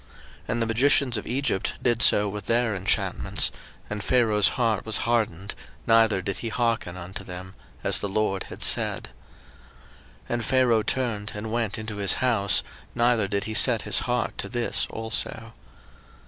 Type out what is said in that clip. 02:007:022 And the magicians of Egypt did so with their enchantments: and Pharaoh's heart was hardened, neither did he hearken unto them; as the LORD had said. 02:007:023 And Pharaoh turned and went into his house, neither did he set his heart to this also.